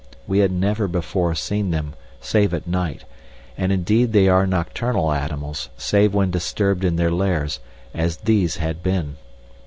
We had never before seen them save at night, and indeed they are nocturnal animals save when disturbed in their lairs, as these had been.